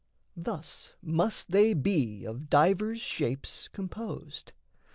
Thus must they be of divers shapes composed.